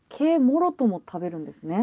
もろとも食べるんですね。